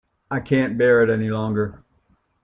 I can’t bear it any longer